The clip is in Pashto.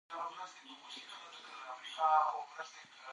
په پاک چاپیریال کې اوسېدل د انسان فکري وړتیاوې روښانه کوي.